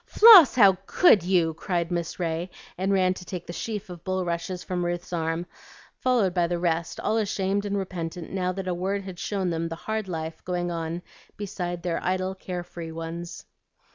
"Floss, how could you!" cried Miss Ray, and ran to take the sheaf of bulrushes from Ruth's arms, followed by the rest, all ashamed and repentant now that a word had shown them the hard life going on beside their idle, care free ones.